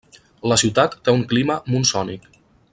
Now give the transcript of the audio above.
La ciutat té un clima monsònic.